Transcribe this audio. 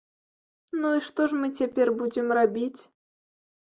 Ну, і што ж мы цяпер будзем рабіць?